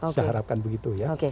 saya harapkan begitu ya